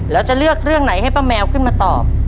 แล้วจะเลือกเรื่องไหนให้ป้าแมวขึ้นมาตอบ